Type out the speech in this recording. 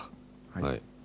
はい。